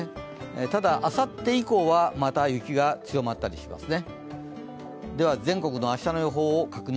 ただあさって以降はまた雪が強まったりしますね。